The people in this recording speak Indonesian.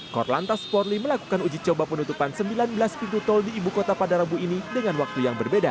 kor lantas polri melakukan uji coba penutupan sembilan belas pintu tol di ibu kota pada rabu ini dengan waktu yang berbeda